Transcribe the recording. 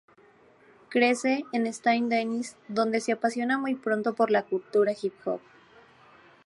Crece en Saint-Denis donde se apasiona muy pronto por la cultura hip hop.